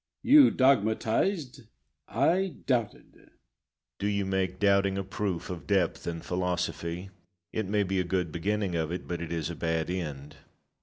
You dogmatised; I doubted. Locke. Do you make doubting a proof of depth in philosophy? It may be a good beginning of it, but it is a bad end.